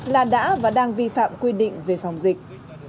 là đã và đang vi phạm quy định về phòng dịch